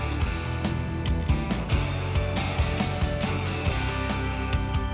ada sekitar delapan orang